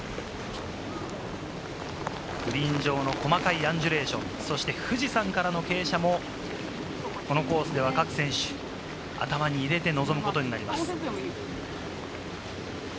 グリーン上の細かいアンジュレーション、そして富士山からの傾斜も、このコースでは各選手、頭に入れて臨むことになります。